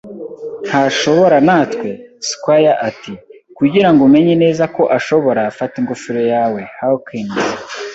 ntashobora natwe? ” Squire ati: "Kugira ngo umenye neza ko ashobora." “Fata ingofero yawe, Hawkins,